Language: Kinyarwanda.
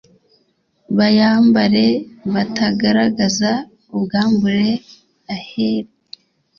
bayambare batagaragaza ubwambure ahere